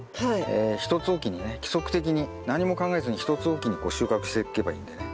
え１つ置きにね規則的に何も考えずに１つ置きにこう収穫していけばいいんでね。